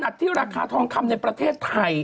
ที่ราคาทองคำในประเทศไทย